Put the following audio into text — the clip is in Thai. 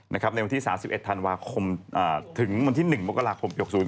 ในวันที่๓๑ธันวาคมถึงวันที่๑มกราคมปี๖๐